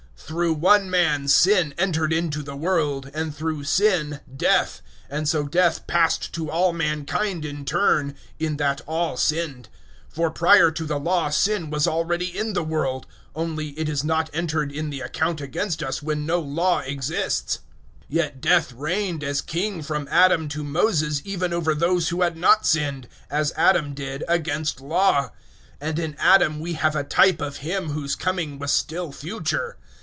Through one man sin entered into the world, and through sin death, and so death passed to all mankind in turn, in that all sinned. 005:013 For prior to the Law sin was already in the world; only it is not entered in the account against us when no Law exists. 005:014 Yet Death reigned as king from Adam to Moses even over those who had not sinned, as Adam did, against Law. And in Adam we have a type of Him whose coming was still future.